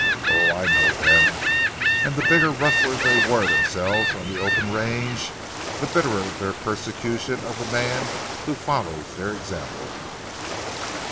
Oh, I know them; and the bigger rustlers they were themselves on the open range, the bitterer their persecution of the man who follows their example."